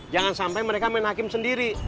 jangan sampai mereka main hakim sendiri